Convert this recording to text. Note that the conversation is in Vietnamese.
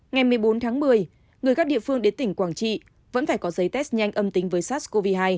ngày một mươi bốn tháng một mươi người các địa phương đến tỉnh quảng trị vẫn phải có giấy test nhanh âm tính với sars cov hai